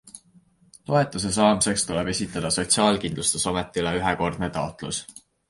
Toetuse saamiseks tuleb esitada sotsiaalkindlustusametile ühekordne taotlus.